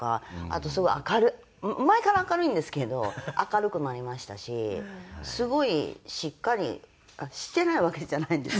あとすごい明るい前から明るいんですけど明るくなりましたしすごいしっかりしてないわけじゃないんですよ。